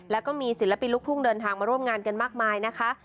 แล้วก็มีศิลปินลูกทุ่งเดินทางมาร่วมงานกันมากมายนะคะ